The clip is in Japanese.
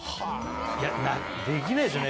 いやできないですよね。